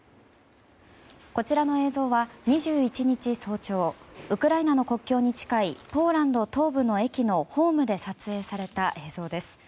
こちらの映像は、２１日早朝ウクライナの国境に近いポーランド東部の駅のホームで撮影された映像です。